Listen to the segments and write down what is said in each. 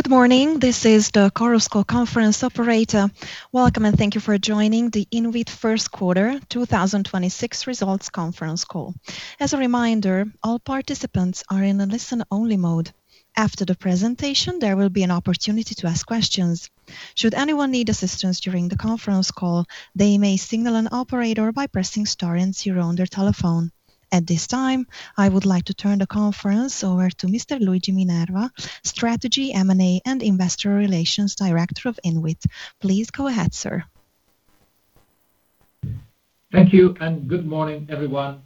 Good morning. This is the Chorus Call conference operator. Welcome, and thank you for joining the INWIT First Quarter 2026 Results Conference Call. As a reminder, all participants are in a listen only mode. After the presentation, there will be an opportunity to ask questions. Should anyone need assistance during the conference call, they may signal an operator by pressing star and zero on their telephone. At this time, I would like to turn the conference over to Mr. Luigi Minerva, Strategy, M&A, and Investor Relations Director of INWIT. Please go ahead, sir. Thank you, and good morning, everyone.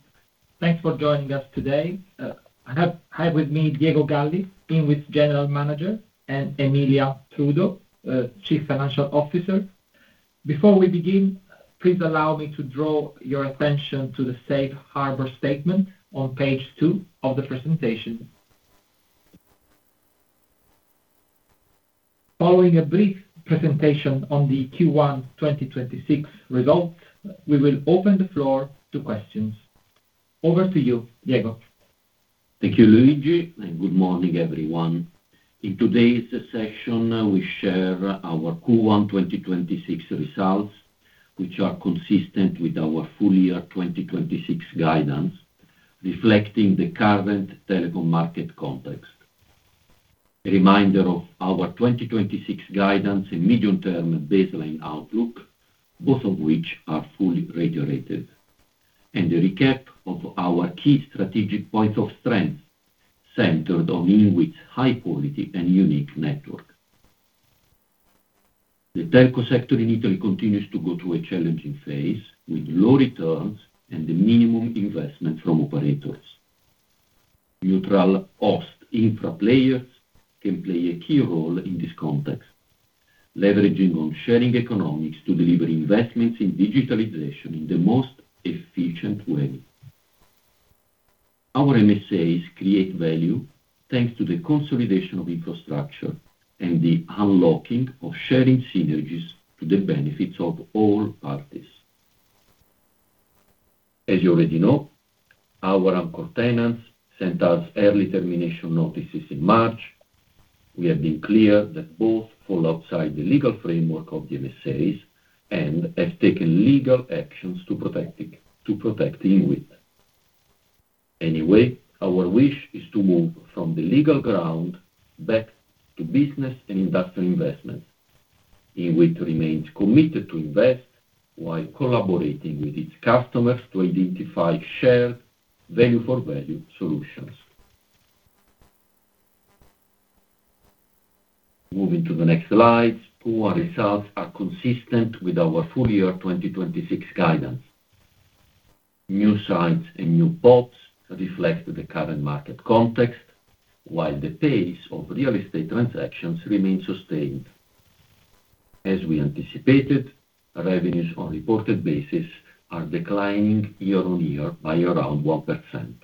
Thanks for joining us today. I have with me Diego Galli, INWIT's General Manager, and Emilia Trudu, Chief Financial Officer. Before we begin, please allow me to draw your attention to the safe harbor statement on page two of the presentation. Following a brief presentation on the Q1 2026 results, we will open the floor to questions. Over to you, Diego. Thank you, Luigi, and good morning, everyone. In today's session, we share our Q1 2026 results, which are consistent with our full year 2026 guidance, reflecting the current telecom market context. A reminder of our 2026 guidance and medium-term baseline outlook, both of which are fully reiterated, and a recap of our key strategic points of strength centered on INWIT's high quality and unique network. The telco sector in Italy continues to go through a challenging phase, with low returns and the minimum investment from operators. Neutral host infra players can play a key role in this context, leveraging on sharing economics to deliver investments in digitalization in the most efficient way. Our MSAs create value thanks to the consolidation of infrastructure and the unlocking of sharing synergies to the benefits of all parties. As you already know, our anchor tenants sent us early termination notices in March. We have been clear that both fall outside the legal framework of the MSAs and have taken legal actions to protect it, to protect INWIT. Our wish is to move from the legal ground back to business and industrial investments. INWIT remains committed to invest while collaborating with its customers to identify shared value for value solutions. Moving to the next slides. Q1 results are consistent with our full year 2026 guidance. New sites and new PoPs reflect the current market context, while the pace of real estate transactions remains sustained. As we anticipated, revenues on reported basis are declining year-over-year by around 1%.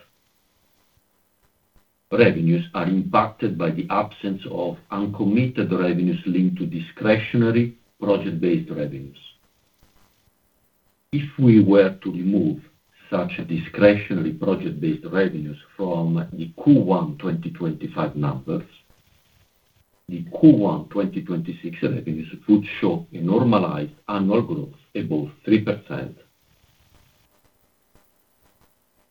Revenues are impacted by the absence of uncommitted revenues linked to discretionary project-based revenues. If we were to remove such discretionary project-based revenues from the Q1 2025 numbers, the Q1 2026 revenues would show a normalized annual growth above 3%.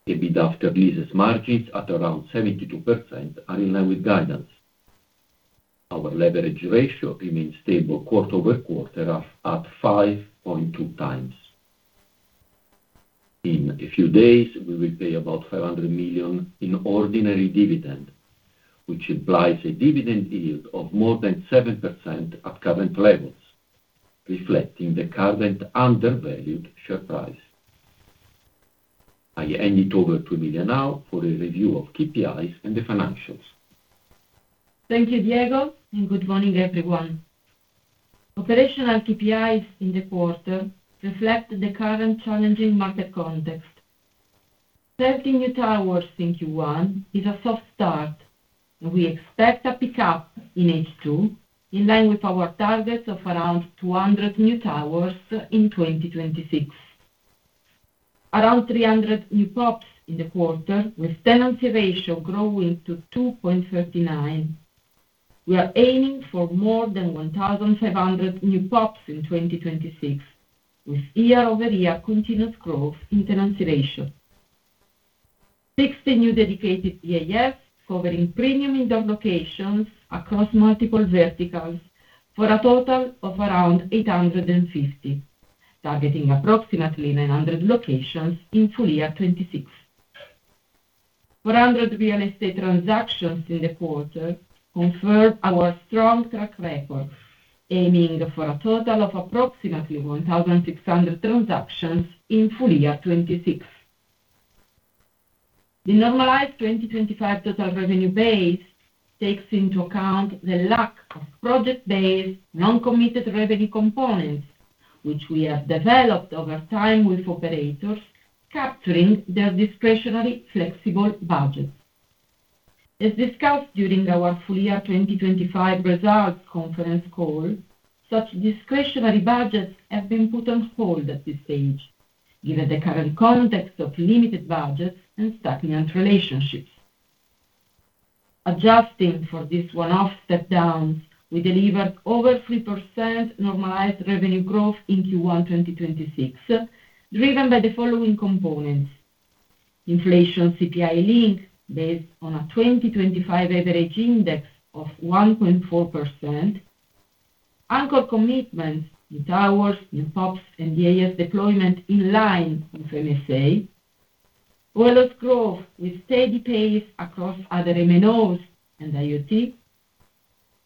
EBIT after leases margins at around 72% are in line with guidance. Our leverage ratio remains stable quarter-over-quarter at 5.2x. In a few days, we will pay about 500 million in ordinary dividend, which implies a dividend yield of more than 7% at current levels, reflecting the current undervalued share price. I hand it over to Emilia now for a review of KPIs and the financials. Thank you, Diego, and good morning, everyone. Operational KPIs in the quarter reflect the current challenging market context. 30 new towers in Q1 is a soft start. We expect a pickup in H2, in line with our targets of around 200 new towers in 2026. Around 300 new PoPs in the quarter, with tenancy ratio growing to 2.39. We are aiming for more than 1,500 new PoPs in 2026, with year-over-year continuous growth in tenancy ratio. 60 new dedicated DAS covering premium indoor locations across multiple verticals for a total of around 850, targeting approximately 900 locations in full year 2026. 400 real estate transactions in the quarter confirm our strong track record, aiming for a total of approximately 1,600 transactions in full year 2026. The normalized 2025 total revenue base takes into account the lack of project-based non-committed revenue components, which we have developed over time with operators capturing their discretionary flexible budgets. As discussed during our full year 2025 results conference call, such discretionary budgets have been put on hold at this stage. Given the current context of limited budgets and stagnant relationships. Adjusting for this one-off step-downs, we delivered over 3% normalized revenue growth in Q1 2026, driven by the following components. Inflation CPI link based on a 2025 average index of 1.4%, anchor commitments in towers, in PoPs, and DAS deployment in line with MSA, OLOs growth with steady pace across other MNOs and IoT,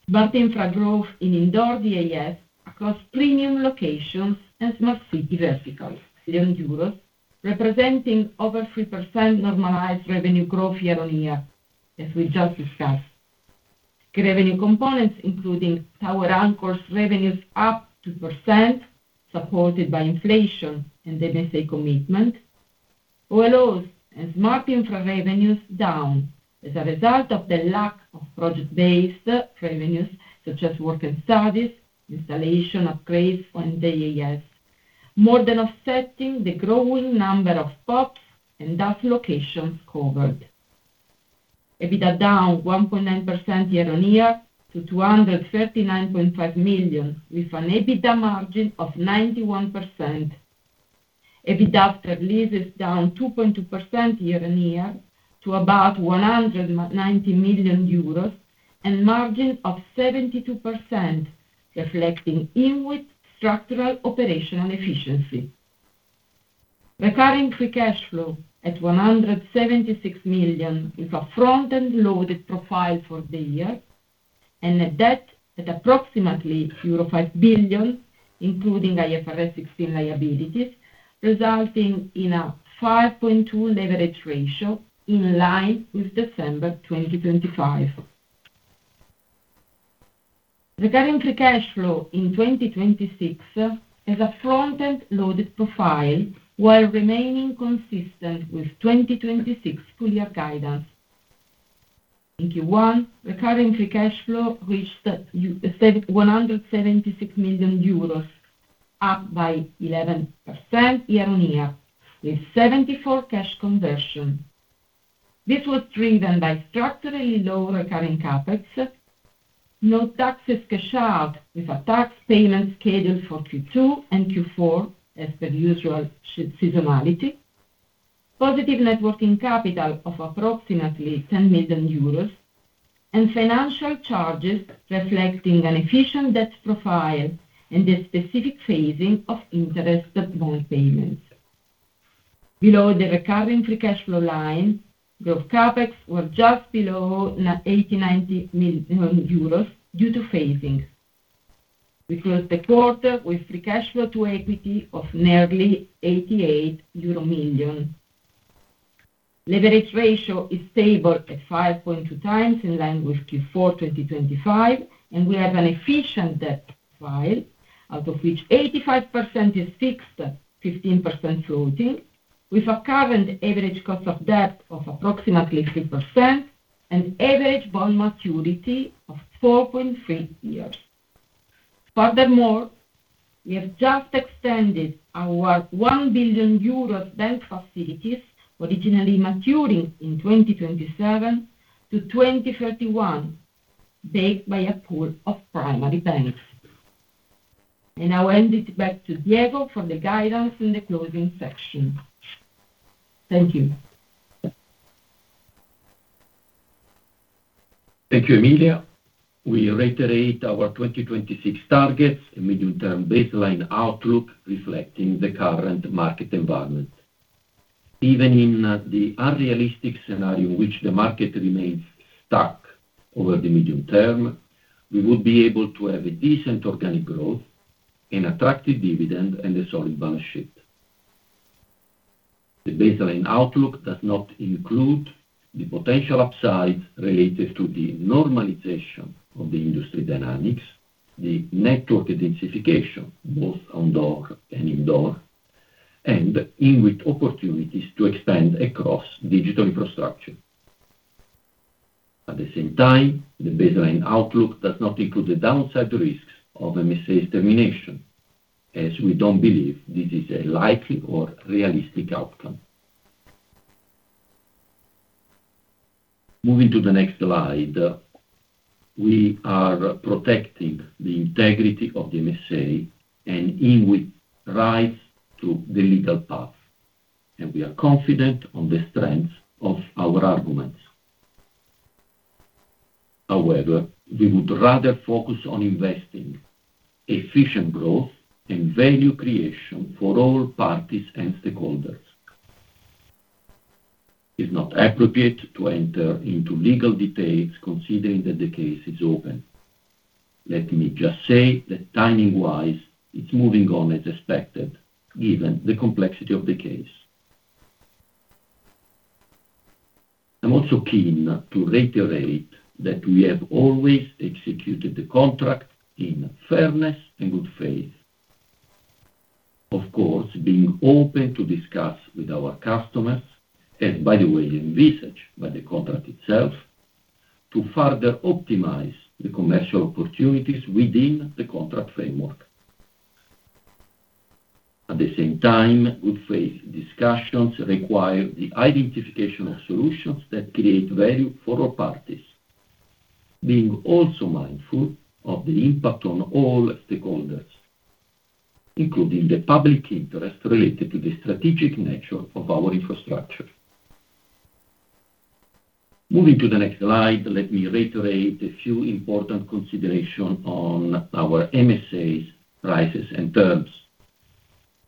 Smart Infra growth in indoor DAS across premium locations and smart city verticals. Euros representing over 3% normalized revenue growth year-on-year, as we just discussed. Key revenue components, including tower anchors revenues up 2%, supported by inflation and MSA commitment. OLOs and Smart Infra revenues down as a result of the lack of project-based revenues, such as work and studies, installation upgrades and DAS, more than offsetting the growing number of PoPs and DAS locations covered. EBITDA down 1.9% year-on-year to 239.5 million, with an EBITDA margin of 91%. EBITDA after leases down 2.2% year-on-year to about 190 million euros and margin of 72%, reflecting INWIT structural operational efficiency. Recurring free cash flow at 176 million is a front-end loaded profile for the year, and a debt at approximately euro 5 billion, including IFRS 16 liabilities, resulting in a 5.2 leverage ratio in line with December 2025. Recurring free cash flow in 2026 has a front-end loaded profile while remaining consistent with 2026 full year guidance. In Q1, recurring free cash flow reached 176 million euros, up by 11% year-on-year with 74% cash conversion. This was driven by structurally lower recurring CapEx. No taxes cashed out, with a tax payment scheduled for Q2 and Q4 as per usual seasonality. Positive networking capital of approximately 10 million euros, and financial charges reflecting an efficient debt profile and the specific phasing of interest bond payments. Below the recurring free cash flow line, growth CapEx were just below 80 million-90 million euros due to phasing. We closed the quarter with free cash flow to equity of nearly 88 million euro. Leverage ratio is stable at 5.2x, in line with Q4 2025, and we have an efficient debt file, out of which 85% is fixed, 15% floating, with a current average cost of debt of approximately 3% and average bond maturity of 4.3 years. Furthermore, we have just extended our 1 billion euros bank facilities originally maturing in 2027-2031, backed by a pool of primary banks. I'll hand it back to Diego for the guidance in the closing section. Thank you. Thank you, Emilia. We reiterate our 2026 targets and medium-term baseline outlook reflecting the current market environment. Even in the unrealistic scenario in which the market remains stuck over the medium term, we will be able to have a decent organic growth and attractive dividend and a solid balance sheet. The baseline outlook does not include the potential upside related to the normalization of the industry dynamics, the network identification, both outdoor and indoor, and INWIT opportunities to expand across digital infrastructure. At the same time, the baseline outlook does not include the downside risks of MSAs termination, as we don't believe this is a likely or realistic outcome. Moving to the next slide, we are protecting the integrity of the MSA and INWIT rights to the legal path, and we are confident on the strength of our arguments. However, we would rather focus on investing efficient growth and value creation for all parties and stakeholders. It's not appropriate to enter into legal debates considering that the case is open. Let me just say that timing-wise, it's moving on as expected given the complexity of the case. I'm also keen to reiterate that we have always executed the contract in fairness and good faith. Of course, being open to discuss with our customers, and by the way, envisaged by the contract itself. To further optimize the commercial opportunities within the contract framework. At the same time, good faith discussions require the identification of solutions that create value for all parties, being also mindful of the impact on all stakeholders, including the public interest related to the strategic nature of our infrastructure. Moving to the next slide, let me reiterate a few important consideration on our MSAs prices and terms.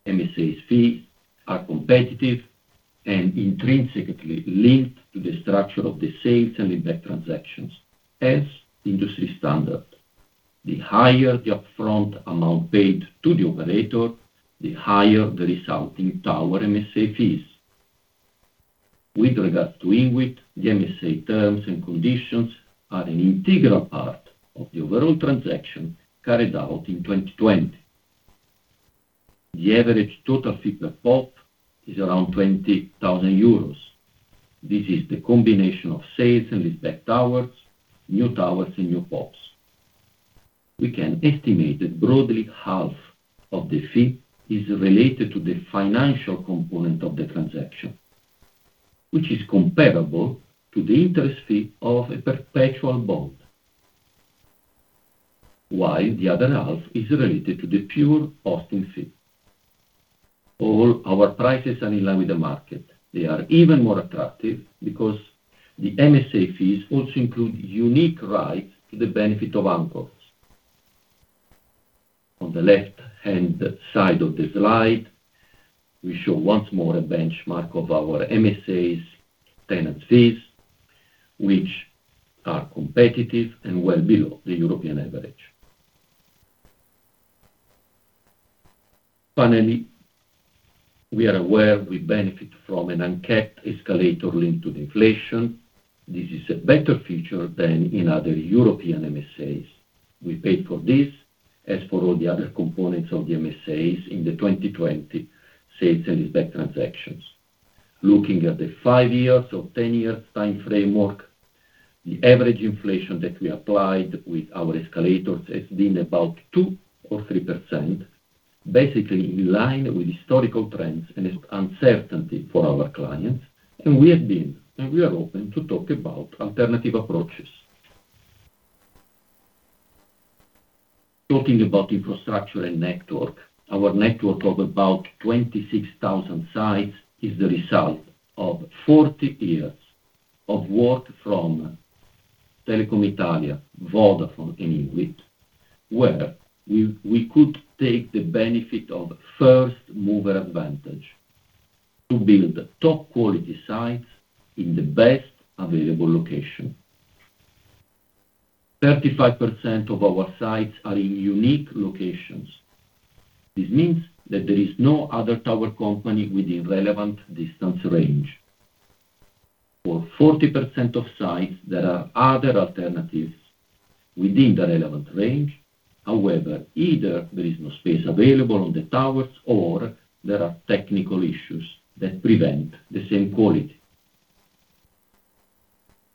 MSAs fees are competitive and intrinsically linked to the structure of the sale-and-leaseback transactions as industry standard. The higher the upfront amount paid to the operator, the higher the resulting tower MSA fees. With regard to INWIT, the MSA terms and conditions are an integral part of the overall transaction carried out in 2020. The average total fee per pole is around 20,000 euros. This is the combination of sale-and-leaseback towers, new towers and new poles. We can estimate that broadly half of the fee is related to the financial component of the transaction, which is comparable to the interest fee of a perpetual bond, while the other half is related to the pure hosting fee. All our prices are in line with the market. They are even more attractive because the MSA fees also include unique rights to the benefit of anchors. On the left-hand side of the slide, we show once more a benchmark of our MSAs tenant fees, which are competitive and well below the European average. Finally, we are aware we benefit from an uncapped escalator linked to the inflation. This is a better feature than in other European MSAs. We paid for this, as for all the other components of the MSAs in the 2020 sale-and-leaseback transactions. Looking at the five years or 10 years time framework, the average inflation that we applied with our escalators has been about 2% or 3%, basically in line with historical trends and is uncertainty for our clients. We have been, and we are open to talk about alternative approaches. Talking about infrastructure and network, our network of about 26,000 sites is the result of 40 years of work from Telecom Italia, Vodafone, and INWIT, where we could take the benefit of first mover advantage to build top quality sites in the best available location. 35% of our sites are in unique locations. This means that there is no other tower company within relevant distance range. For 40% of sites, there are other alternatives within the relevant range. Either there is no space available on the towers or there are technical issues that prevent the same quality.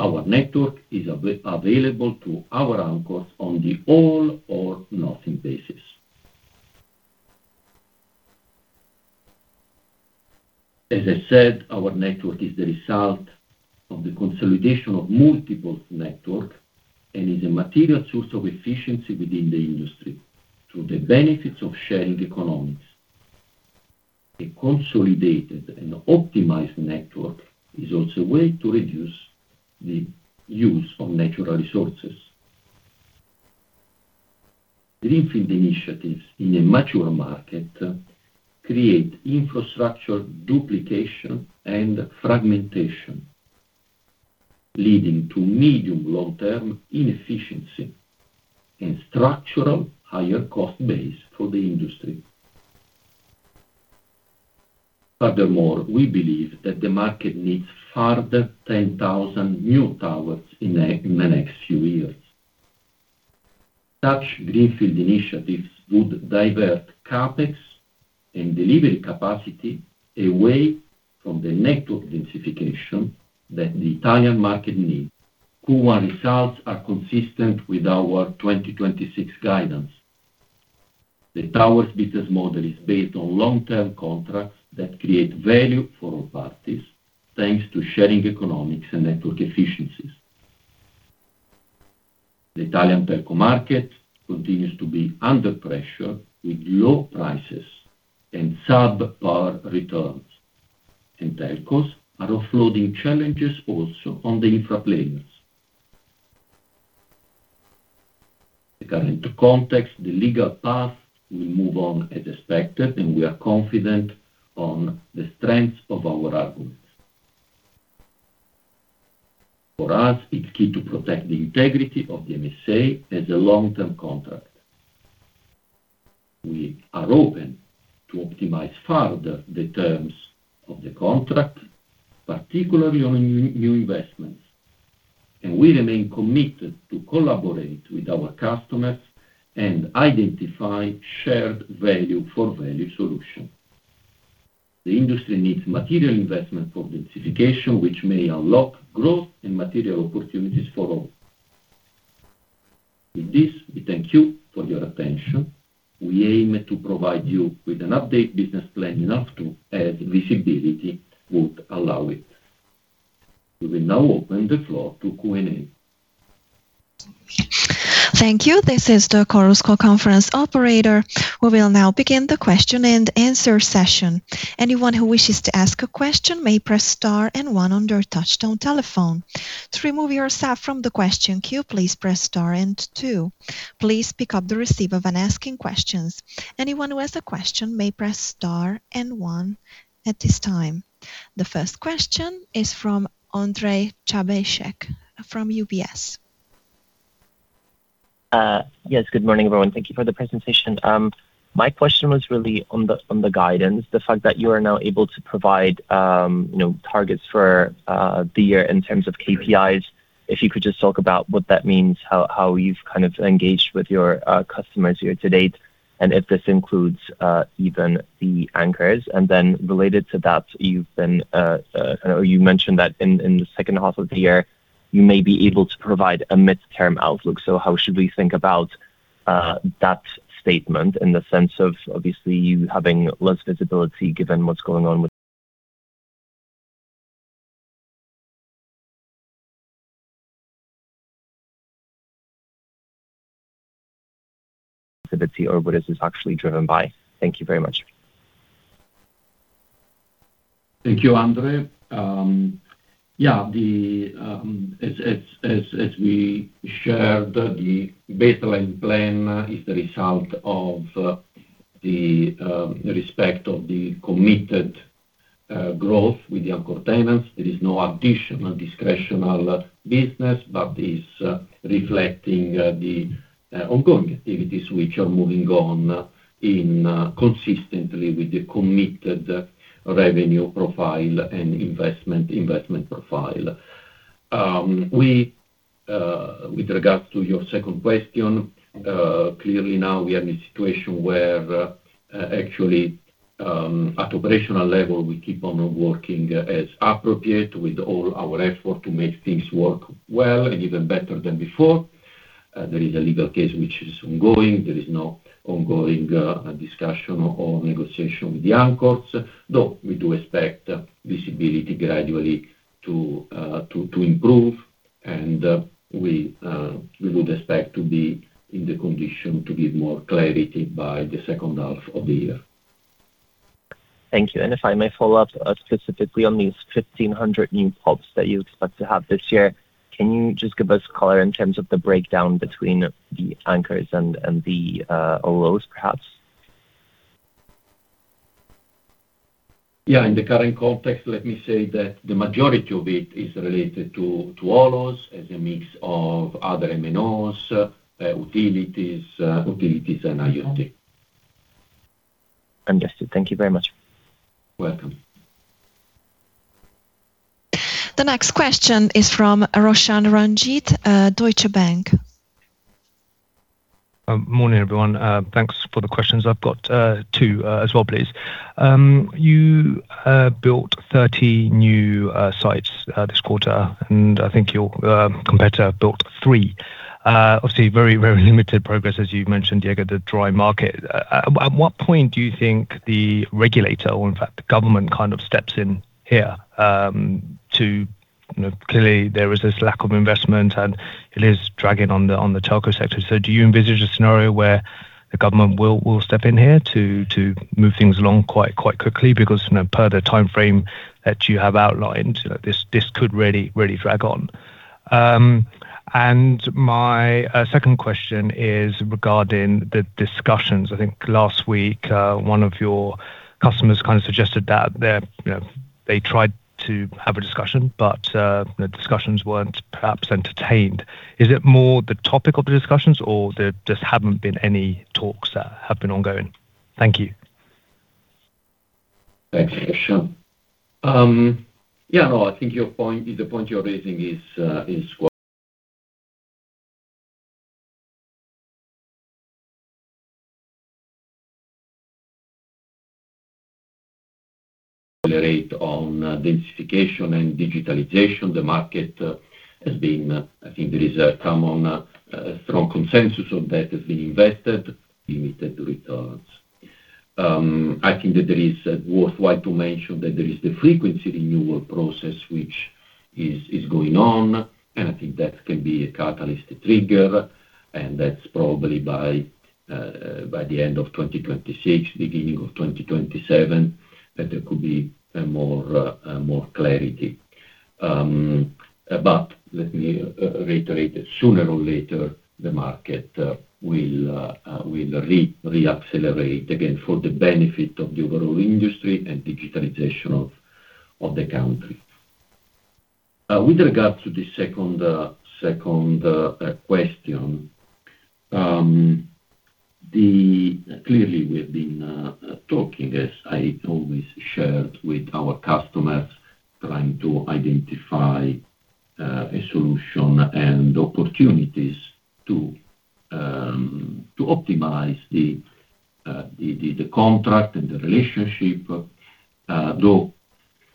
Our network is available to our anchors on the all-or-nothing basis. As I said, our network is the result of the consolidation of multiple network and is a material source of efficiency within the industry through the benefits of sharing economics. A consolidated and optimized network is also a way to reduce the use of natural resources. Greenfield initiatives in a mature market create infrastructure duplication and fragmentation, leading to medium long term inefficiency and structural higher cost base for the industry. We believe that the market needs further 10,000 new towers in the next few years. Such greenfield initiatives would divert CapEx and delivery capacity away from the network densification that the Italian market needs. Q1 results are consistent with our 2026 guidance. The towers business model is based on long-term contracts that create value for all parties, thanks to sharing economics and network efficiencies. The Italian telco market continues to be under pressure with low prices and sub-par returns. Telcos are offloading challenges also on the infra players. Regarding the context, the legal path will move on as expected, and we are confident on the strengths of our arguments. For us, it's key to protect the integrity of the MSA as a long-term contract. We are open to optimize further the terms of the contract, particularly on new investments, and we remain committed to collaborate with our customers and identify shared value for value solution. The industry needs material investment for densification, which may unlock growth and material opportunities for all. With this, we thank you for your attention. We aim to provide you with an updated business plan in half two as visibility would allow it. We will now open the floor to Q&A. Thank you this is the chorus call conference operator, we will now begin the question and answer session. Anyone who whises to ask a question, may press star and one on their touchtone telephone. To remove yourself from the question queue, please press star and two. Please pick up the receive of an asking questions, anyone who ask a question may press star and one. At this time. The first question is from Andrzej Czabajski from UBS. Yes, good morning, everyone. Thank you for the presentation. My question was really on the, on the guidance, the fact that you are now able to provide, you know, targets for the year in terms of KPIs. If you could just talk about what that means, how you've kind of engaged with your customers year to date, and if this includes even the anchors. Related to that, you've been or you mentioned that in the second half of the year, you may be able to provide a midterm outlook. How should we think about that statement in the sense of obviously you having less visibility given what's going on with visibility, or what is this actually driven by? Thank you very much. Thank you, Andrzej. As we shared, the baseline plan is the result of the respect of the committed growth with the anchor tenants. There is no additional discretional business, but is reflecting the ongoing activities which are moving on consistently with the committed revenue profile and investment profile. With regards to your second question, clearly now we are in a situation where actually at operational level, we keep on working as appropriate with all our effort to make things work well and even better than before. There is a legal case which is ongoing. There is no ongoing discussion or negotiation with the anchors, though we do expect visibility gradually to improve. We would expect to be in the condition to give more clarity by the second half of the year. Thank you. If I may follow up, specifically on these 1,500 new PoPs that you expect to have this year, can you just give us color in terms of the breakdown between the anchors and the OLOs perhaps? Yeah. In the current context, let me say that the majority of it is related to OLOs as a mix of other MNOs, utilities and IoT. Understood. Thank you very much. Welcome. The next question is from Roshan Ranjit, Deutsche Bank. Morning, everyone. Thanks for the questions. I've got two as well, please. You built 30 new sites this quarter, and I think your competitor built three. Obviously very limited progress, as you've mentioned, Diego, the dry market. At what point do you think the regulator or in fact the government kind of steps in here, you know, clearly there is this lack of investment, and it is dragging on the telco sector. Do you envisage a scenario where the government will step in here to move things along quite quickly because, you know, per the timeframe that you have outlined, this could really drag on. My second question is regarding the discussions. I think last week, one of your customers kind of suggested that they're, you know, they tried to have a discussion, but the discussions weren't perhaps entertained. Is it more the topic of the discussions or there just haven't been any talks that have been ongoing? Thank you. Thanks, Roshan. Yeah, no, I think your point is a point you're raising is well. Accelerate on densification and digitalization. The market has been, I think there is a common, strong consensus on that has been invested, limited returns. I think that there is worthwhile to mention that there is the frequency renewal process which is going on, and I think that can be a catalyst trigger, and that's probably by the end of 2026, beginning of 2027, that there could be more clarity. Let me reiterate, sooner or later, the market will reaccelerate again for the benefit of the overall industry and digitalization of the country. With regards to the second question, clearly, we've been talking, as I always shared with our customers, trying to identify a solution and opportunities to optimize the contract and the relationship. Though,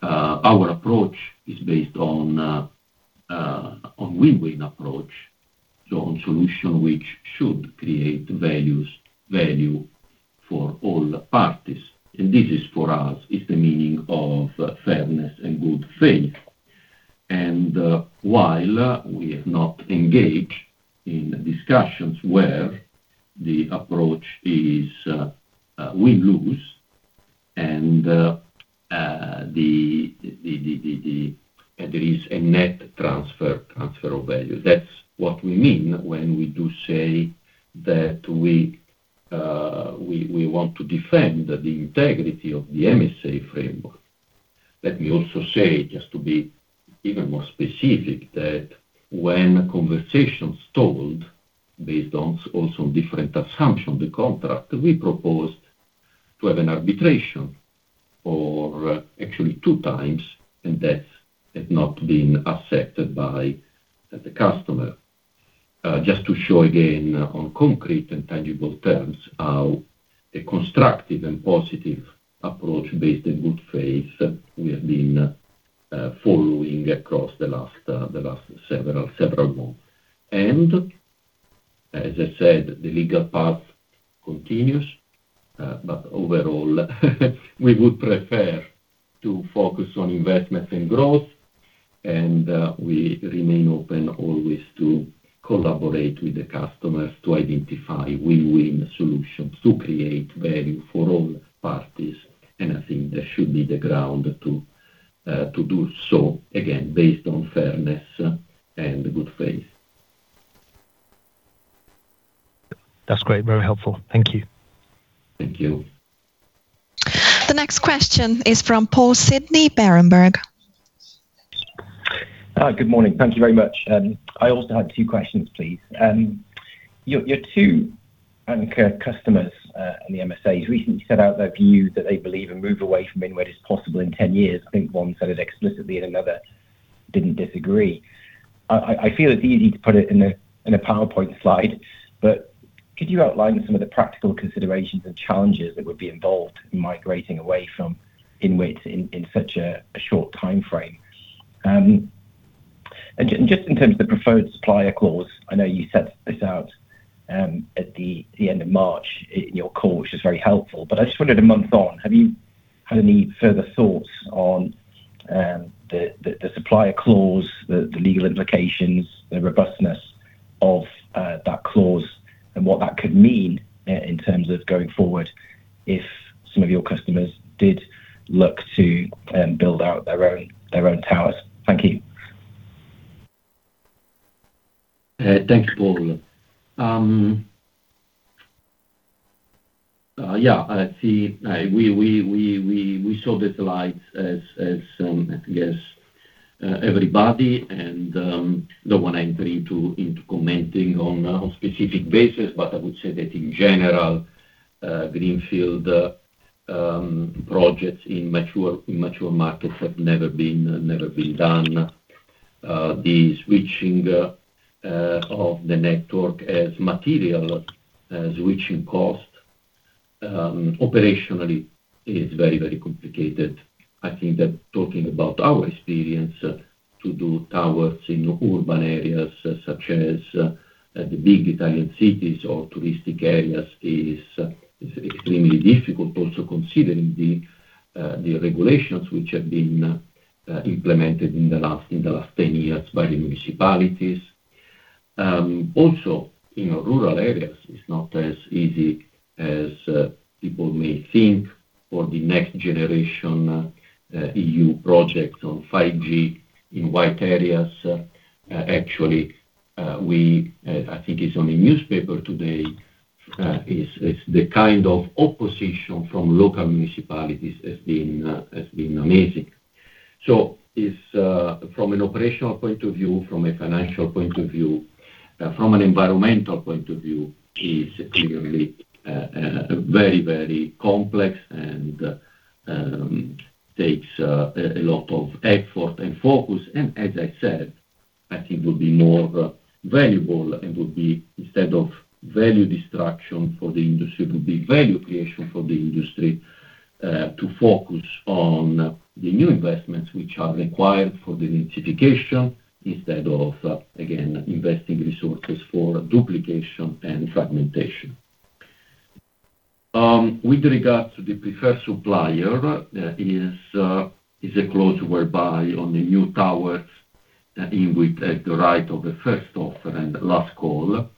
our approach is based on a win-win approach. On solution which should create values, value for all parties. This is, for us, is the meaning of fairness and good faith. While we have not engaged in discussions where the approach is, we lose and there is a net transfer of value. That's what we mean when we do say that we want to defend the integrity of the MSA framework. Let me also say, just to be even more specific, that when conversations stalled based on also different assumption, the contract, we proposed to have an arbitration for actually two times, and that has not been accepted by the customer. Just to show again on concrete and tangible terms how a constructive and positive approach based in good faith we have been following across the last several months. As I said, the legal path continues. Overall, we would prefer to focus on investments and growth. We remain open always to collaborate with the customers to identify win-win solutions to create value for all parties. I think that should be the ground to do so, again, based on fairness and good faith. That's great. Very helpful. Thank you. Thank you. The next question is from Paul Sidney, Berenberg. Good morning. Thank you very much. I also have two questions, please. Your two anchor customers in the MSAs recently set out their view that they believe a move away from INWIT is possible in 10 years. I think one said it explicitly and another didn't disagree. I feel it's easy to put it in a PowerPoint slide, but could you outline some of the practical considerations and challenges that would be involved in migrating away from INWIT in such a short timeframe? And just in terms of the preferred supplier clause, I know you set this out at the end of March in your call, which is very helpful. I just wondered, a month on, have you had any further thoughts on, the supplier clause, the legal implications, the robustness of that clause and what that could mean, in terms of going forward if some of your customers did look to build out their own towers? Thank you. Thanks, Paul. We saw the slides as everybody and don't want to enter into commenting on a specific basis, but I would say that in general, Greenfield projects in mature markets have never been done. The switching of the network as material switching costs operationally is very complicated. I think that talking about our experience to do towers in urban areas such as the big Italian cities or touristic areas is extremely difficult. Also considering the regulations which have been implemented in the last 10 years by the municipalities. Also in rural areas it's not as easy as people may think for the Next Generation EU project on 5G in white areas. Actually, I think it's on the newspaper today, the kind of opposition from local municipalities has been amazing. It's from an operational point of view, from a financial point of view, from an environmental point of view, is clearly very, very complex and takes a lot of effort and focus. As I said, I think would be more valuable and would be instead of value destruction for the industry, would be value creation for the industry, to focus on the new investments which are required for the densification instead of, again, investing resources for duplication and fragmentation. With regards to the preferred supplier, is a clause whereby on the new towers INWIT has the right of the first offer and last call.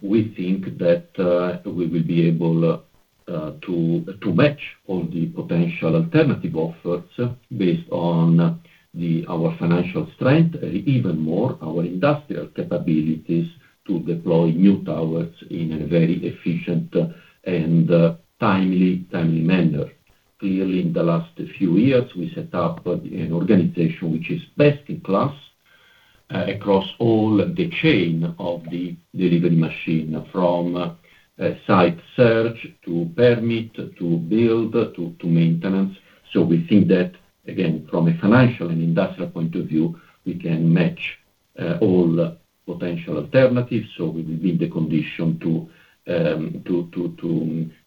We think that we will be able to match all the potential alternative offers based on our financial strength, even more our industrial capabilities to deploy new towers in a very efficient and timely manner. Clearly, in the last few years, we set up an organization which is best in class across all the chain of the delivery machine from site search to permit, to build, to maintenance. We think that, again, from a financial and industrial point of view, we can match all potential alternatives. We will be in the condition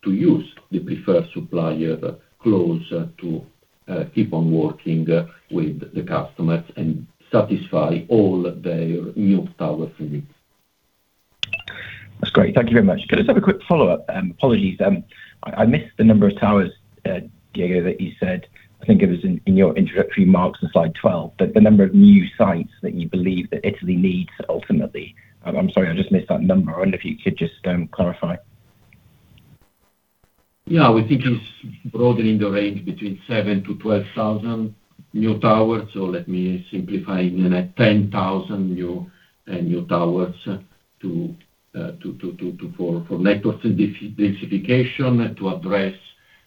to use the preferred supplier clause to keep on working with the customers and satisfy all their new tower needs. That's great. Thank you very much. Can I just have a quick follow-up? Apologies. I missed the number of towers, Diego, that you said. I think it was in your introductory remarks on slide 12, but the number of new sites that you believe that Italy needs ultimately. I'm sorry, I just missed that number. I wonder if you could just clarify. Yeah. We think it's broadly in the range between 7,000-12,000 new towers. Let me simplify. 10,000 new towers for network densification to address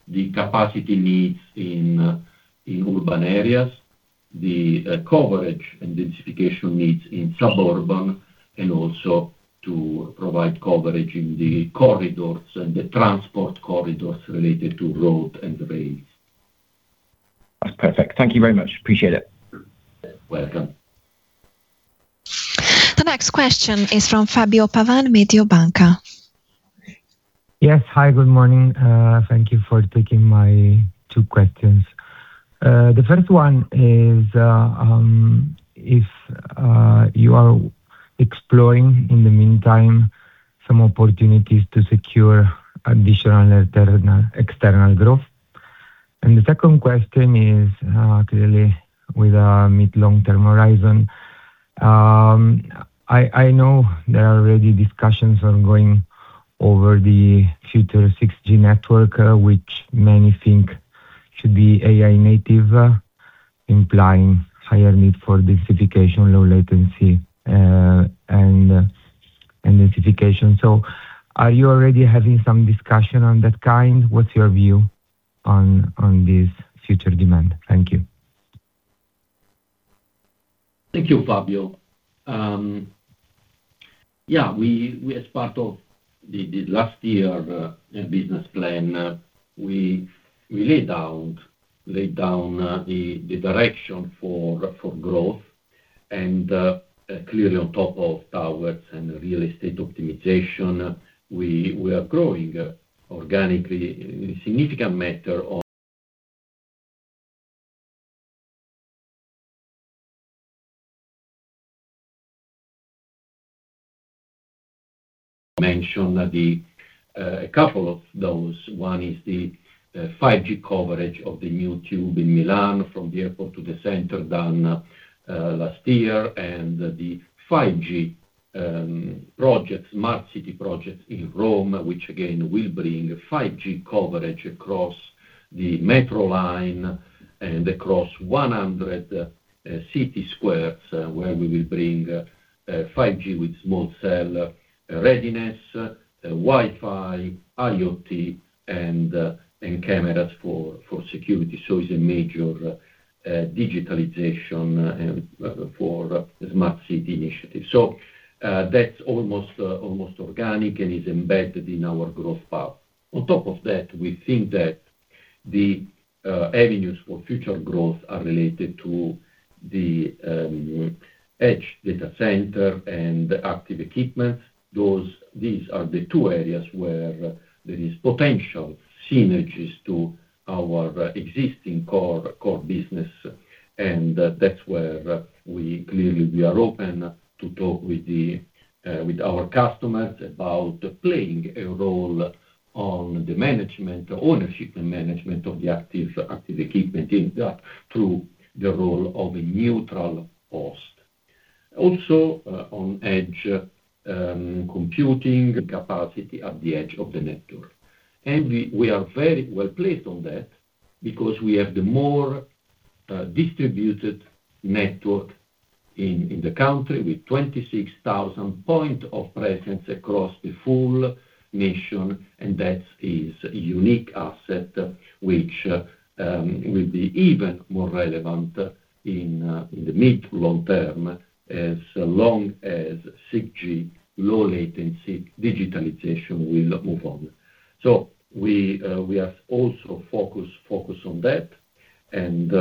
the capacity needs in urban areas. The coverage and densification needs in suburban, and also to provide coverage in the corridors and the transport corridors related to road and rail. That's perfect. Thank you very much. Appreciate it. You're welcome. The next question is from Fabio Pavan, Mediobanca. Yes. Hi, good morning. Thank you for taking my two questions. The first one is, if you are exploring, in the meantime, some opportunities to secure additional external growth. The second question is, clearly with our mid, long-term horizon. I know there are already discussions ongoing over the future 6G network, which many think should be AI native, implying higher need for densification, low latency, and densification. Are you already having some discussion on that kind? What's your view on this future demand? Thank you. Thank you, Fabio. We as part of the last year business plan, we laid out, laid down the direction for growth and clearly on top of towers and real estate optimization, we are growing organically in significant matter on mention a couple of those. One is the 5G coverage of the new tube in Milan from the airport to the center done last year. The 5G project, Smart City project in Rome, which again will bring 5G coverage across the metro line and across 100 city squares, where we will bring 5G with small cell readiness, Wi-Fi, IoT and cameras for security. It's a major digitalization for the smart city initiative. That's almost organic and is embedded in our growth path. On top of that, we think that the avenues for future growth are related to the edge data center and active equipment. These are the two areas where there is potential synergies to our existing core business, and that's where we clearly we are open to talk with our customers about playing a role on the management, ownership and management of the active equipment in that through the role of a neutral host. Also, on edge computing capacity at the edge of the network. We are very well placed on that because we have the more distributed network in the country with 26,000 point of presence across the full nation. That is a unique asset which will be even more relevant in the mid to long term as long as 6G low latency digitalization will move on. We are also focused on that and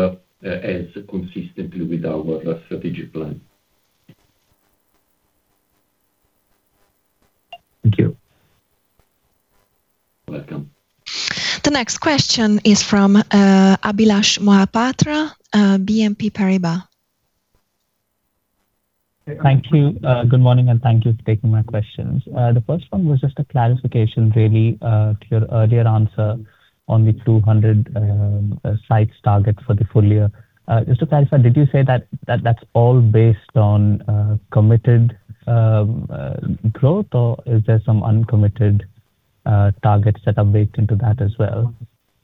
as consistently with our strategic plan. Thank you. Welcome. The next question is from Abhilash Mohapatra, BNP Paribas. Thank you. Good morning, thank you for taking my questions. The first one was just a clarification really, to your earlier answer on the 200 sites target for the full year. Just to clarify, did you say that that's all based on committed growth? Is there some uncommitted targets that are baked into that as well?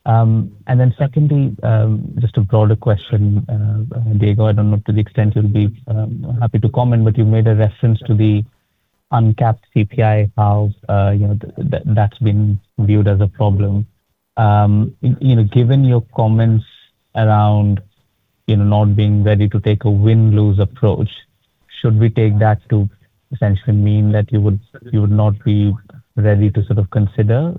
Secondly, just a broader question, Diego, I don't know to the extent you'll be happy to comment, you made a reference to the uncapped CPI, how you know that's been viewed as a problem. You know, given your comments around, you know, not being ready to take a win-lose approach, should we take that to essentially mean that you would not be ready to sort of consider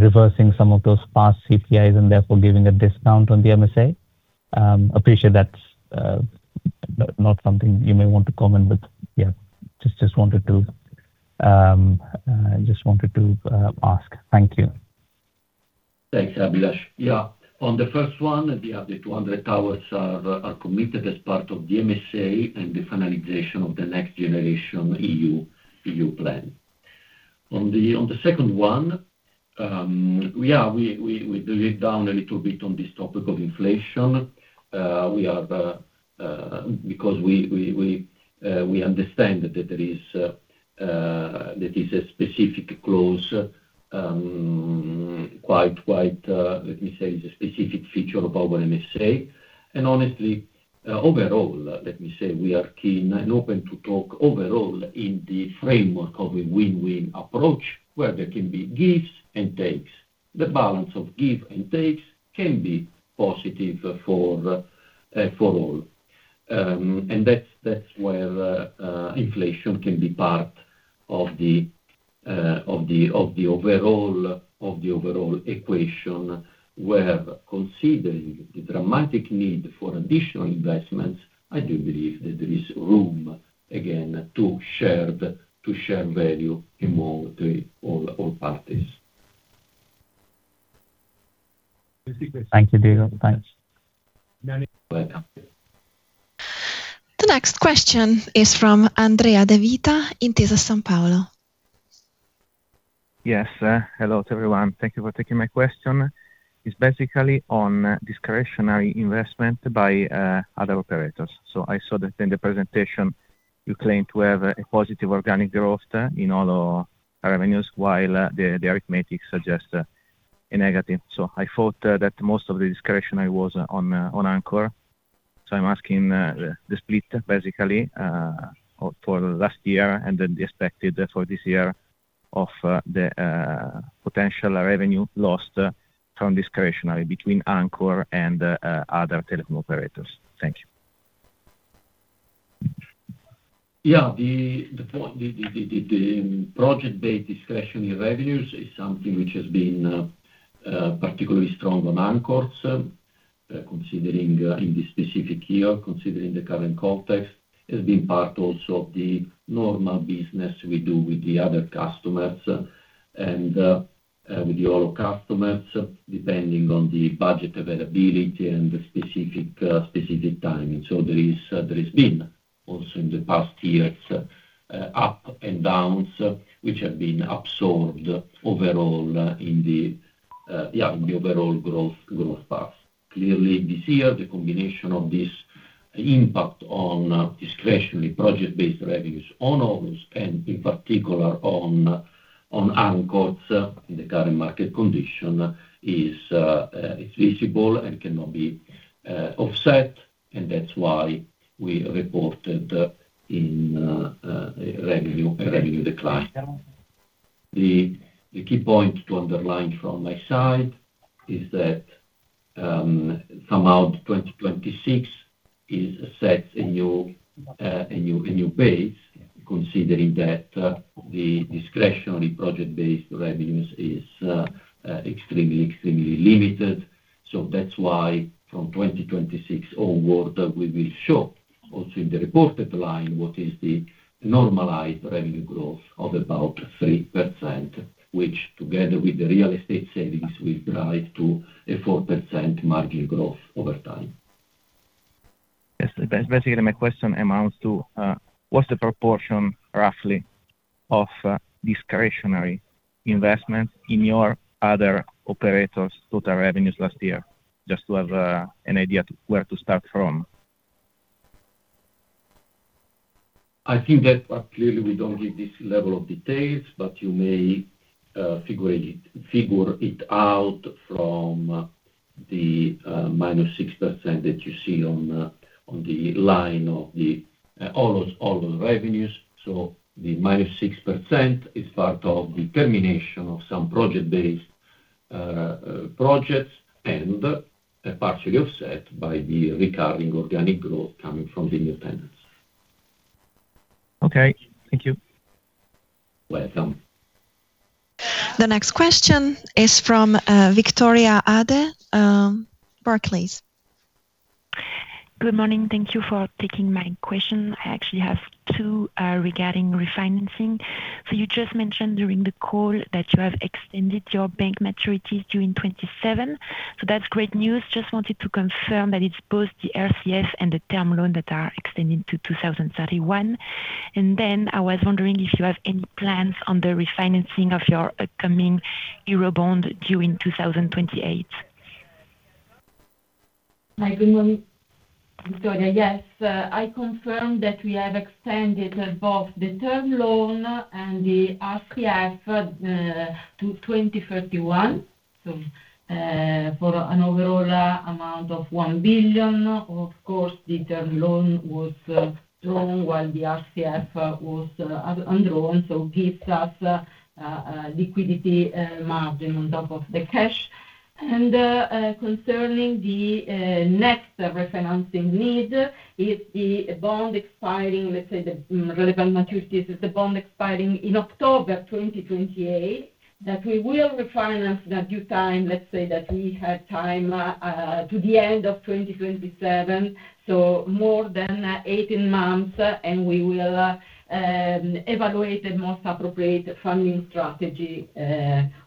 reversing some of those past CPIs and therefore giving a discount on the MSA? Appreciate that's not something you may want to comment, but yeah, just wanted to ask. Thank you. Thanks, Abhilash. On the first one, the 200 towers are committed as part of the MSA and the finalization of the Next Generation EU plan. On the second one, we do it down a little bit on this topic of inflation. We understand that there is a specific clause, quite, let me say, is a specific feature of our MSA. Honestly, overall, let me say we are keen and open to talk overall in the framework of a win-win approach where there can be gives and takes. The balance of give and takes can be positive for all. That's where inflation can be part of the overall equation, where considering the dramatic need for additional investments, I do believe that there is room again to share value in all parties. Thank you, Diego. Thanks. You are welcome. The next question is from Andrea de Vita, Intesa Sanpaolo. Yes. Hello to everyone. Thank you for taking my question. It's basically on discretionary investment by other operators. I saw that in the presentation you claim to have a positive organic growth in OLOs revenues, while the arithmetic suggests a negative. I thought that most of the discretionary was on anchor. I'm asking the split basically for last year and then the expected for this year of the potential revenue lost from discretionary between anchor and other telephone operators. Thank you. The project-based discretionary revenues is something which has been particularly strong on anchors, considering in this specific year, considering the current context, has been part also of the normal business we do with the other customers and with the other customers, depending on the budget availability and the specific timing. There has been also in the past years up and downs, which have been absorbed overall in the overall growth path. Clearly, this year, the combination of this impact on discretionary project-based revenues on almost and in particular on anchors in the current market condition is visible and cannot be offset, and that's why we reported in a revenue decline. The key point to underline from my side is that from 2026 sets a new base considering that the discretionary project-based revenues is extremely limited. That's why from 2026 onward, we will show also in the reported line what is the normalized revenue growth of about 3%, which together with the real estate savings will drive to a 4% margin growth over time. Yes. Basically, my question amounts to what's the proportion roughly of discretionary investment in your other operators' total revenues last year? Just to have an idea to where to start from. I think that, clearly we don't give this level of details, but you may figure it out from the -6% that you see on the line of the OLOs revenues. The -6% is part of the termination of some project-based projects and partially offset by the recurring organic growth coming from the independents. Okay. Thank you. Welcome. The next question is from Victoria Adey, Barclays. Good morning. Thank you for taking my question. I actually have two regarding refinancing. You just mentioned during the call that you have extended your bank maturities during 2027. That's great news. Just wanted to confirm that it's both the RCF and the term loan that are extended to 2031. I was wondering if you have any plans on the refinancing of your upcoming Euro bond due in 2028. Hi. Good morning, Victoria. Yes. I confirm that we have extended both the term loan and the RCF to 2031. For an overall amount of 1 billion, of course, the term loan was drawn while the RCF was undrawn. It gives us liquidity margin on top of the cash. Concerning the next refinancing need is the bond expiring. The relevant maturities is the bond expiring in October 2028, that we will refinance in due time. We have time to the end of 2027, so more than 18 months, and we will evaluate the most appropriate funding strategy,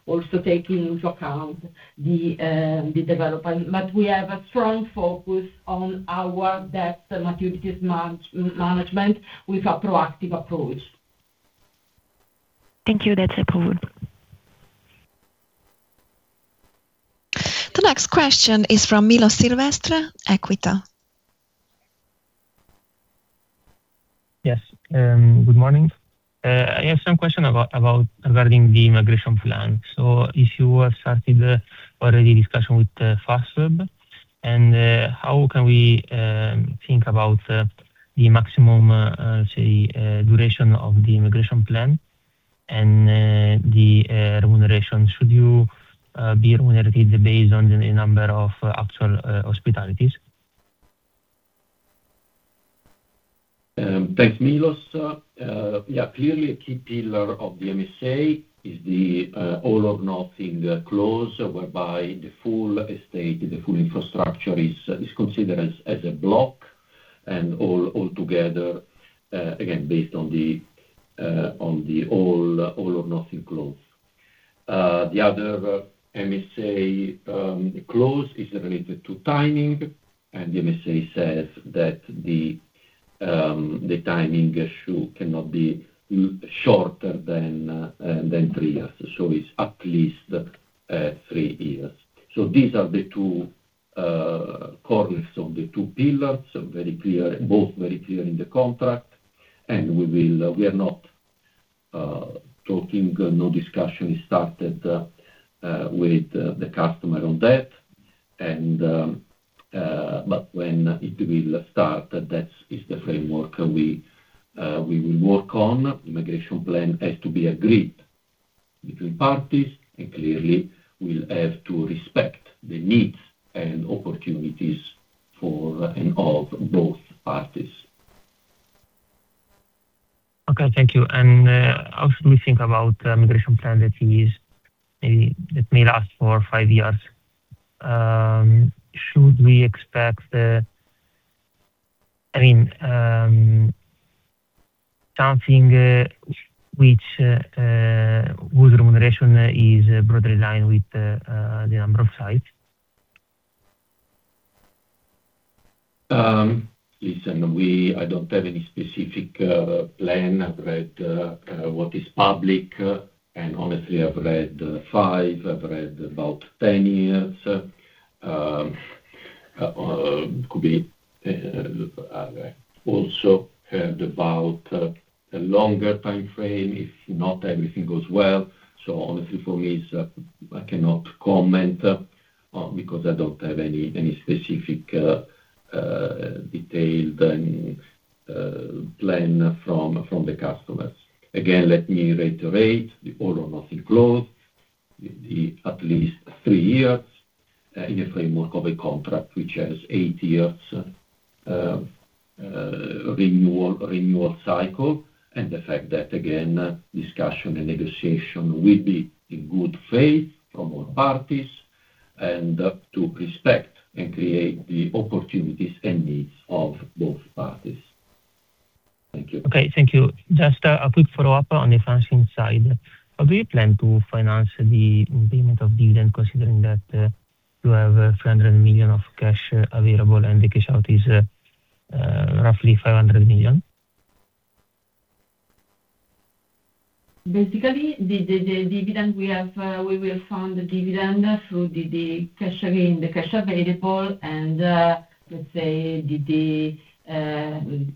also taking into account the development. We have a strong focus on our debt maturities management with a proactive approach. Thank you. That's approved. The next question is from Milo Silvestre, Equita. Yes. Good morning. I have some question regarding the migration plan. If you have started already discussion with Fastweb and how can we think about the maximum duration of the migration plan and the remuneration? Should you be remunerated based on the number of actual hostings? Thanks, Milo. Yeah, clearly a key pillar of the MSA is the all or nothing clause whereby the full estate, the full infrastructure is considered as a block and all together, again, based on the all or nothing clause. The other MSA clause is related to timing. The MSA says that the timing issue cannot be shorter than three years. It's at least three years. These are the two corners on the two pillars, very clear, both very clear in the contract. We are not talking. No discussion is started with the customer on that. When it will start, that's is the framework we will work on. Migration plan has to be agreed between parties and clearly will have to respect the needs and opportunities for and of both parties. Okay. Thank you. How should we think about migration plan that is maybe, that may last for five years? Should we expect, I mean, something which whose remuneration is broadly in line with the number of sites? Listen, I don't have any specific plan. I've read what is public, and honestly, I've read five, I've read about 10 years. Could be, also heard about a longer timeframe if not everything goes well. Honestly, for me, I cannot comment because I don't have any specific, detailed plan from the customers. Again, let me reiterate the all-or-nothing clause, the at least three years in the framework of a contract which has eight years renewal cycle, and the fact that, again, discussion and negotiation will be in good faith from all parties and to respect and create the opportunities and needs of both parties. Thank you. Okay. Thank you. Just a quick follow-up on the financing side. How do you plan to finance the payment of dividend considering that you have 300 million of cash available and the cash out is roughly 500 million? Basically, the dividend we have, we will fund the dividend through the cash available and, let's say, the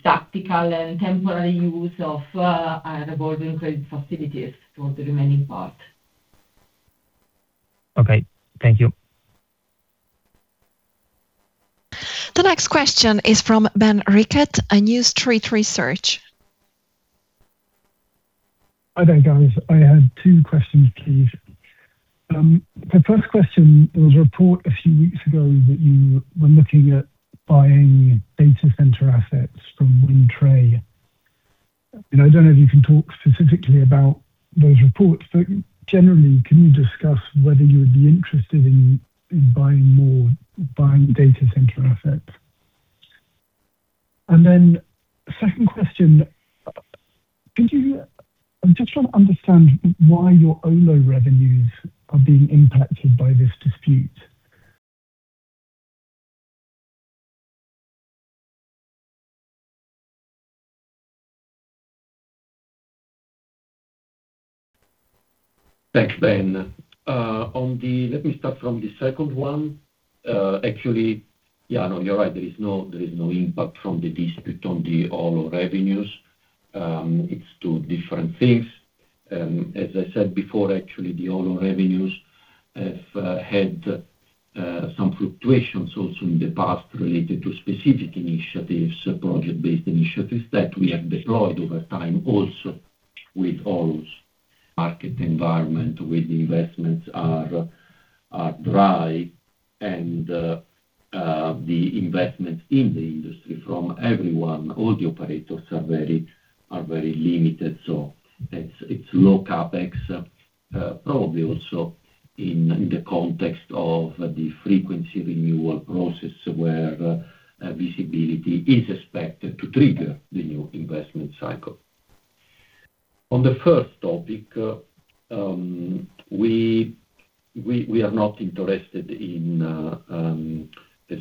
tactical and temporary use of our revolving credit facilities for the remaining part. Okay. Thank you. The next question is from Ben Rickett at New Street Research. Hi there, guys. I had two questions, please. The first question, there was a report a few weeks ago that you were looking at buying data center assets from Wind Tre. I don't know if you can talk specifically about those reports, but generally, can you discuss whether you would be interested in buying more data center assets? Second question, I'm just trying to understand why your Olo revenues are being impacted by this dispute. Thanks, Ben. Let me start from the second one. Actually, yeah, no, you're right. There is no impact from the dispute on the Olo revenues. It's two different things. As I said before, actually, the Olo revenues have had some fluctuations also in the past related to specific initiatives, project-based initiatives that we have deployed over time also with all market environment, with investments are dry and the investment in the industry from everyone, all the operators are very limited. It's low CapEx, probably also in the context of the frequency renewal process where visibility is expected to trigger the new investment cycle. On the first topic, we are not interested in a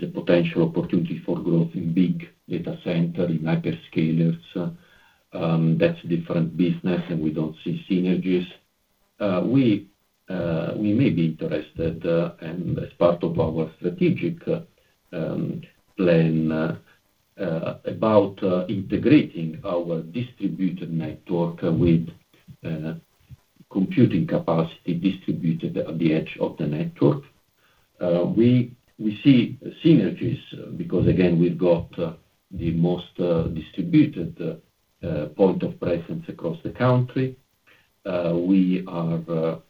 potential opportunity for growth in edge data center, in hyperscalers. That's different business, and we don't see synergies. We may be interested, and as part of our strategic plan, about integrating our distributed network with computing capacity distributed at the edge of the network. We see synergies because, again, we've got the most distributed point of presence across the country. We are,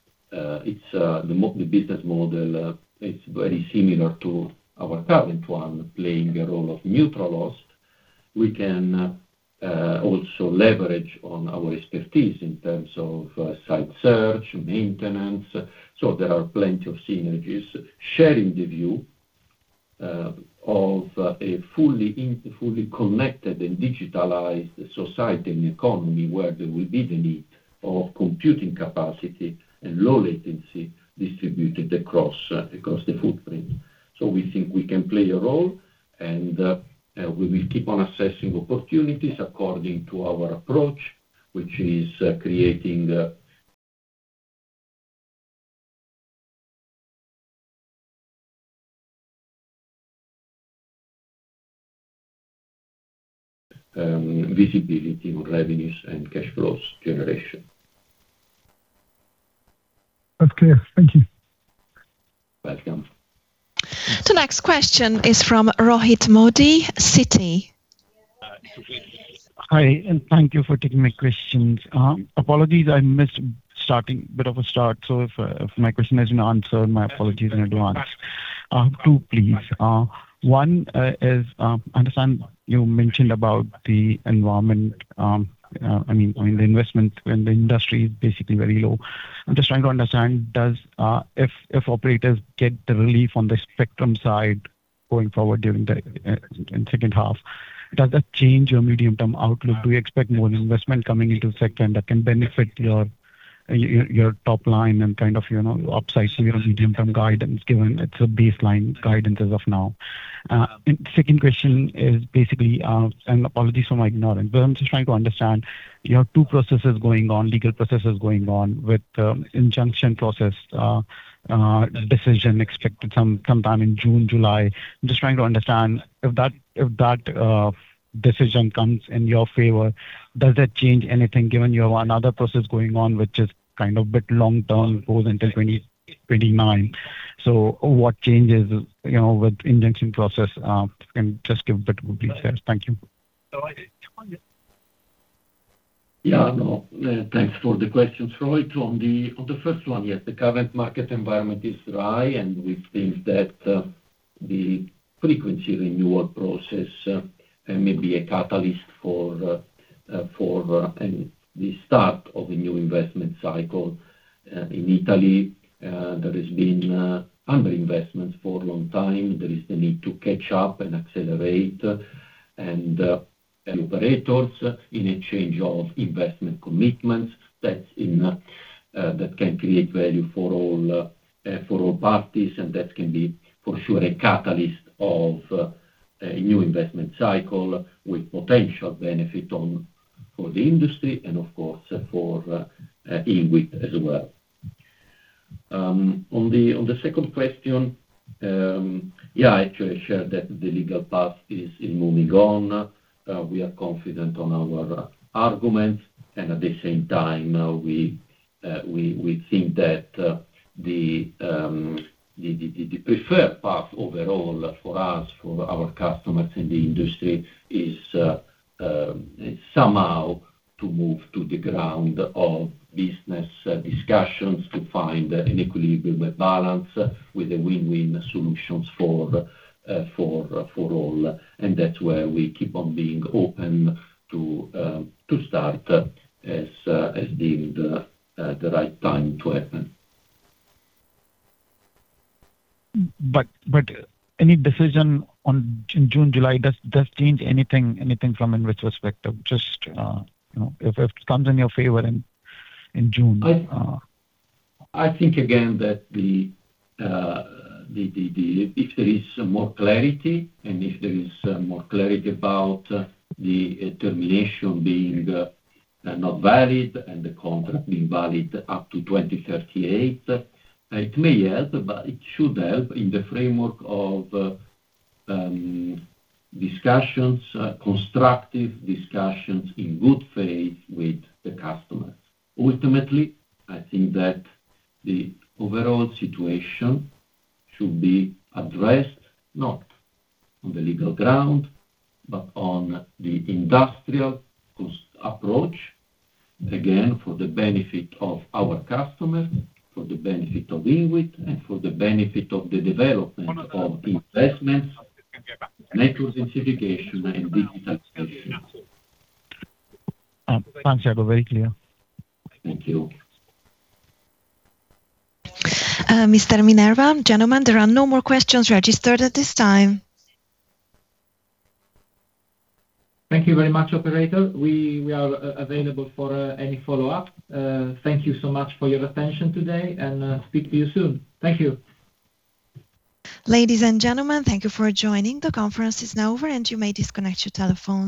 it's the business model is very similar to our current one, playing a role of neutral host. We can also leverage on our expertise in terms of site search, maintenance. There are plenty of synergies. Sharing the view of a fully connected and digitalized society and economy where there will be the need of computing capacity and low latency distributed across the footprint. We think we can play a role and we will keep on assessing opportunities according to our approach, which is creating visibility on revenues and cash flows generation. That's clear. Thank you. Welcome. The next question is from Rohit Modi, Citi. Hi, and thank you for taking my questions. Apologies I missed starting, bit of a start. If my question has been answered, my apologies in advance. Two, please. One, is, I understand you mentioned about the environment, I mean the investment and the industry is basically very low. I'm just trying to understand does if operators get the relief on the spectrum side going forward in second half, does that change your medium-term outlook? Do you expect more investment coming into second that can benefit your top line and kind of, you know, upside your medium-term guidance, given it's a baseline guidance as of now? Second question is basically, and apologies for my ignorance. I'm just trying to understand, you have two processes going on, legal processes going on with the injunction process, decision expected sometime in June, July. I'm just trying to understand if that decision comes in your favor, does that change anything, given you have another process going on which is kind of bit long-term, goes until 2029? What changes, you know, with injunction process? Can you just give bit more details? Thank you. Yeah, no. Thanks for the questions, Rohit. On the first one, yes, the current market environment is dry, and we think that the frequency renewal process may be a catalyst for the start of a new investment cycle. In Italy, there has been under investments for a long time. There is the need to catch up and accelerate and operators in a change of investment commitments that can create value for all parties, and that can be, for sure, a catalyst of a new investment cycle with potential benefit for the industry and of course for INWIT as well. On the second question, yeah, I actually share that the legal path is in moving on. We are confident on our argument, and at the same time, we think that the preferred path overall for us, for our customers in the industry is somehow to move to the ground of business discussions to find an equilibrium and balance with a win-win solutions for all. That's where we keep on being open to start as deemed the right time to happen. Any decision in June, July, does change anything from INWIT's perspective? Just, you know, if it comes in your favor in June. I think again that if there is more clarity, and if there is more clarity about the termination being not valid and the contract being valid up to 2038, it may help, but it should help in the framework of discussions, constructive discussions in good faith with the customers. Ultimately, I think that the overall situation should be addressed not on the legal ground, but on the industrial cost approach, again, for the benefit of our customers, for the benefit of INWIT, and for the benefit of the development of investments, network densification and digital solutions. Thanks, Diego. Very clear. Thank you. Mr. Minerva, gentlemen, there are no more questions registered at this time. Thank you very much, operator. We are available for any follow-up. Thank you so much for your attention today, and speak to you soon. Thank you. Ladies and gentlemen, thank you for joining. The conference is now over, and you may disconnect your telephones.